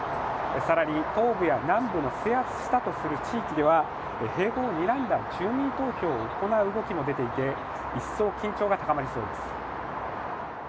更に東部や南部の制圧したとする地域では併合をにらんだ住民投票を行う動きも出ていて一層緊張が高まりそうです。